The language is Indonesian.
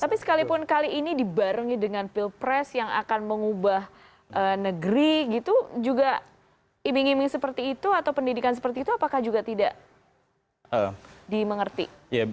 tapi sekalipun kali ini dibarengi dengan pilpres yang akan mengubah negeri gitu juga iming iming seperti itu atau pendidikan seperti itu apakah juga tidak dimengerti